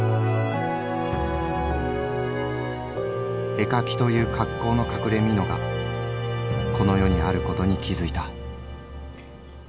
「絵描きという格好の隠れ蓑がこの世にあることに気付いた」。